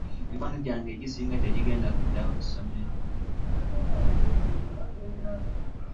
Mikwano gyange egisinga tegigenda kudayo ku ssomero.